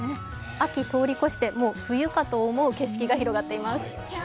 秋通り越してもう冬かと思う景色が広がっています。